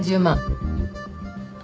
１０万。